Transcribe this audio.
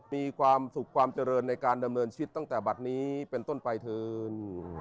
มีความสุขความเจริญในการดำเนินชีวิตตั้งแต่บัตรนี้เป็นต้นไปเถิน